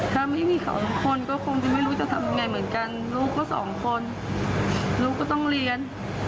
ถ้าไม่มีเขาทุกคนก็คงจะไม่รู้จะทำยังไงเหมือนกันลูกก็สองคนลูกก็ต้องเรียน